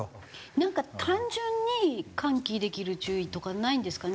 なんか単純に喚起できる注意とかないんですかね？